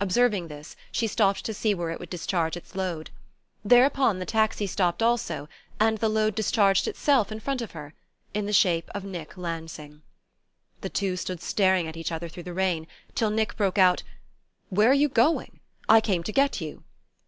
Observing this, she stopped to see where it would discharge its load. Thereupon the taxi stopped also, and the load discharged itself in front of her in the shape of Nick Lansing. The two stood staring at each other through the rain till Nick broke out: "Where are you going? I came to get you."